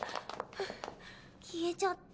消えちゃった。